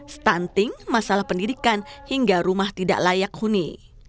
stunting masalah pendidikan hingga rumah tidak layak huni